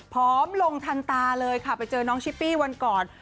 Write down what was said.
พร้อมลงทันตาเลยค่ะไปเจอน้องชิปปี้วันก่อน